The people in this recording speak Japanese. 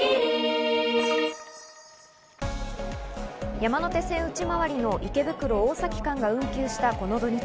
山手線内回りの池袋ー大崎間が運休したこの土日。